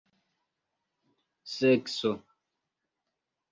sekso